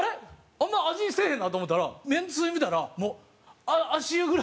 あんま味せえへんなと思ったら麺つゆ見たらもう足湯ぐらいの麺つゆなんですよ。